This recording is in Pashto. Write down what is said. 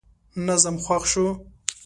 نظم خوښ شو.